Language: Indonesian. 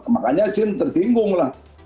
makanya sint tersinggung lah